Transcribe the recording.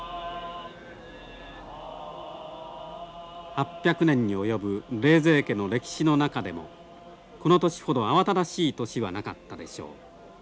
８００年に及ぶ冷泉家の歴史の中でもこの年ほど慌ただしい年はなかったでしょう。